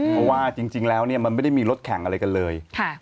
เพราะว่าจริงแล้วเนี่ยมันไม่ได้มีรถแข่งอะไรกันเลย